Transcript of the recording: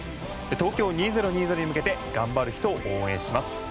東京２０２０に向けて頑張る人を応援します。